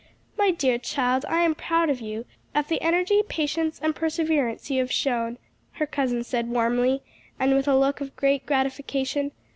"My dear child, I am proud of you of the energy, patience and perseverance you have shown," her cousin said warmly, and with a look of great gratification.